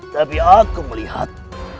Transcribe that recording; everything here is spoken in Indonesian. tapi aku melihat